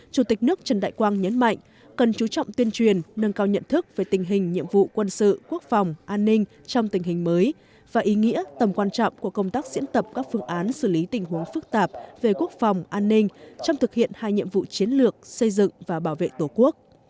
chủ tịch nước trần đại quang nhấn mạnh cần chú trọng tuyên truyền nâng cao nhận thức về tình hình nhiệm vụ quân sự quốc phòng an ninh trong tình hình mới và ý nghĩa tầm quan trọng của công tác diễn tập các phương án xử lý tình huống phức tạp về quốc phòng an ninh trong thực hiện hai nhiệm vụ chiến lược xây dựng và bảo vệ tổ quốc